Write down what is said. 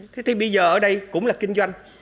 thế thì bây giờ ở đây cũng là kinh doanh